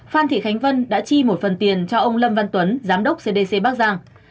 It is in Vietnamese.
phan thị khánh vân đã chi một phần tiền cho ông lâm văn tuấn giám đốc cdc bắc giang